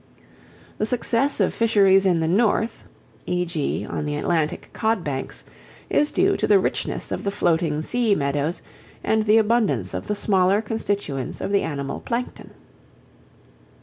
The success of fisheries in the North, e.g. on the Atlantic cod banks, is due to the richness of the floating sea meadows and the abundance of the smaller constituents of the animal Plankton.